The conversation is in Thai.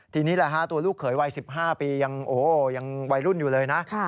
ทีนี้แหละฮะตัวลูกเขยวัย๑๕ปียังวัยรุ่นอยู่เลยนะ